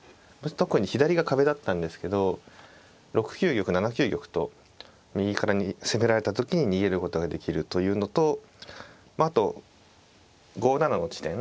特に左が壁だったんですけど６九玉７九玉と右から攻められた時に逃げることができるというのとあと５七の地点。